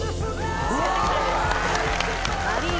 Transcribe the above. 正解です。